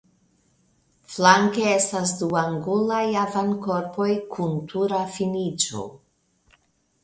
Flanke estas du angulaj avankorpoj kun tura finiĝo.